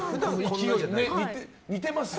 似てますよね。